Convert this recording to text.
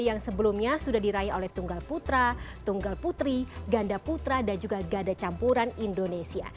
yang sebelumnya sudah diraih oleh tunggal putra tunggal putri ganda putra dan juga ganda campuran indonesia